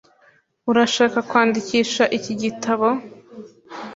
Urashaka kwandikisha iki gitabo?